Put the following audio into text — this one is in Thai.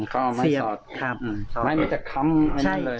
เขาเอาไม้สอดไม้มันจะค้ำอันนั้นเลย